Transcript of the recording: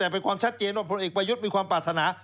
แต่เป็นความชัดเจนว่าพลเอกประยุทธ์มีความปรารถนา